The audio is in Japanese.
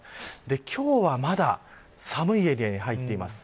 今日はまだ寒いエリアに入っています。